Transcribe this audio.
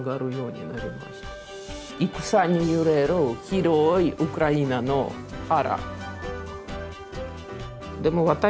戦に揺れる広いウクライナの原。